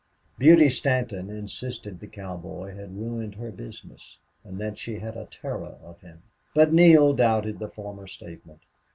Beauty Stanton insisted the cowboy had ruined her business and that she had a terror of him. But Neale doubted the former statement.